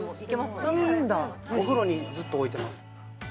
もんねお風呂にずっと置いてます